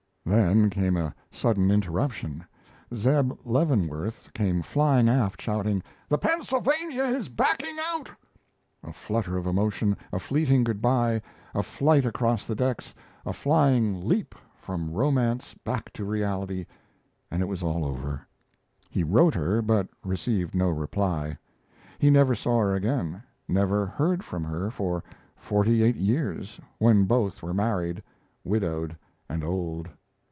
Then came a sudden interruption: Zeb Leavenworth came flying aft shouting: "The Pennsylvania is backing out." A flutter of emotion, a fleeting good by, a flight across the decks, a flying leap from romance back to reality, and it was all over. He wrote her, but received no reply. He never saw her again, never heard from her for forty eight years, when both were married, widowed, and old.